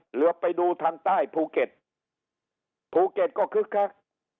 เหลือไปดูทางใต้ภูเก็ตภูเก็ตก็คึกคัก